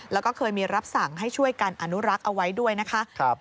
แล้วก็เคยมีรับสั่งให้ช่วยกันอนุรักษ์เอาไว้ด้วยนะคะ